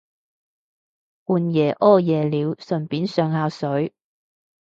半夜屙夜尿順便上下水